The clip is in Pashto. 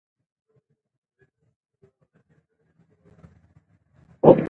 هغه وویل چې اضطراب د بدن پر روغتیا اغېز کوي.